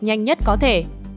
nhanh nhất có thể